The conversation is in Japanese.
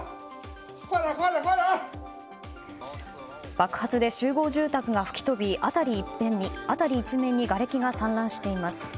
爆発で集合住宅が吹き飛び辺り一面にがれきが散乱しています。